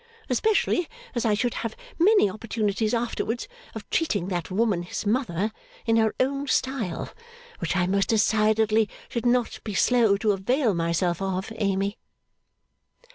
Especially as I should have many opportunities, afterwards, of treating that woman, his mother, in her own style. Which I most decidedly should not be slow to avail myself of, Amy.